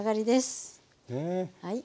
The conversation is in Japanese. はい。